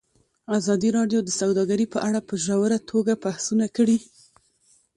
ازادي راډیو د سوداګري په اړه په ژوره توګه بحثونه کړي.